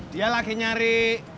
dia lagi nyari